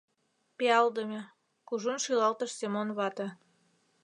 — Пиалдыме, — кужун шӱлалтыш Семон вате.